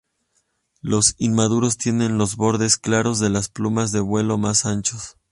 Los inmaduros tienen los bordes claros de las plumas de vuelo más anchos.